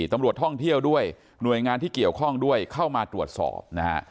ตำรวจท่องเที่ยวด้วยหน่วยงานที่เกี่ยวข้องด้วยเข้ามาตรวจสอบนะฮะ